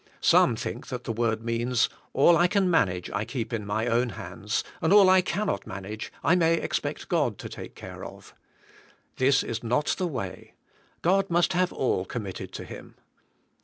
Some think that the word means, All I can manage I keep in my own hands, and all I cannot manage I may expect God to take care of. This is not the way. God must have all committed to Him.